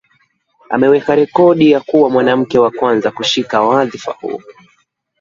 Ameweka rekodi ya kuwa mwanamke wa kwanza kushika wadhifa huo